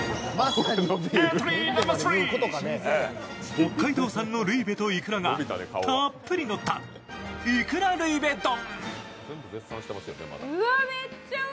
北海道産のルイベといくらがたっぷりのったいくらルイベ丼。